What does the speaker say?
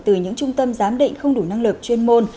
từ những trung tâm giám định không đủ năng lực chuyên môn